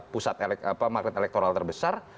pusat elektronik terbesar